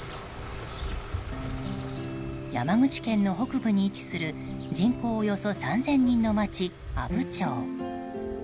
山口県の北部に位置する人口およそ３０００人の町阿武町。